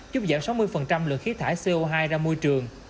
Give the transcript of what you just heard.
giúp giảm sáu mươi lượng khí thải co hai ra môi trường